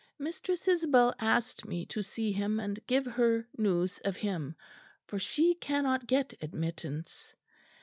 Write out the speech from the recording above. Mistress Isabel asked me to see him and give her news of him, for she cannot get admittance.